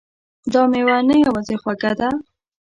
دا میوه نه یوازې خوږه ده